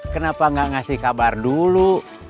kenapa gak ngasih kabar dulu